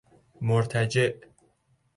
مرتجع